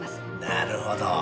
なるほど。